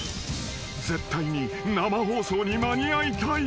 ［絶対に生放送に間に合いたい］